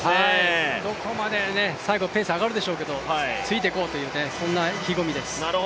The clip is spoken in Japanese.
最後ペース上がるでしょうけど、ついていこうと、そんな意気込みです。